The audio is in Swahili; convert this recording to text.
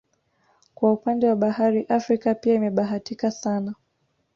Kwa upande wa bahari Afrika pia imebahatika sana